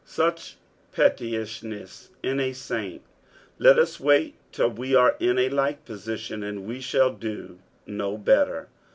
Such pettishneaa in a saint ! Let us wait till we are in a like positiou, and we shall do no better.